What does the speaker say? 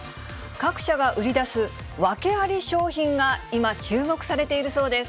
各社が売り出す、訳あり商品が今、注目されているそうです。